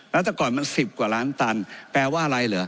แล้วแต่ก่อนมัน๑๐กว่าล้านตันแปลว่าอะไรเหรอ